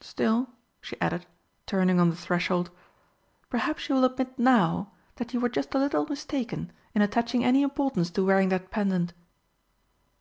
Still," she added, turning on the threshold, "perhaps you will admit now that you were just a little mistaken in attaching any importance to wearing that pendant?"